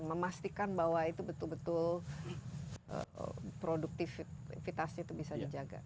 memastikan bahwa itu betul betul produktivitasnya itu bisa dijaga